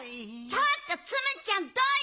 ちょっとツムちゃんどういうことよ！